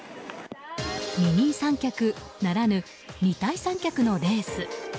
二人三脚ならぬ二体三脚のレース。